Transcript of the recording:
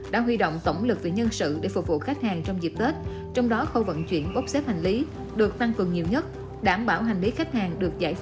đã được giải phóng trong khoảng thời gian hợp lý